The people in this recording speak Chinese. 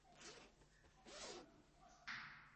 它是仅此于康卡斯特的美国第二大有线电视运营商。